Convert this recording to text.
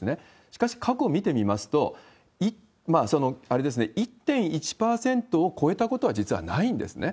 しかし、過去見てみますと、１．１％を超えたことは、実はないんですね。